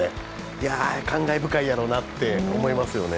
いや、感慨深いやろなって思いますよね。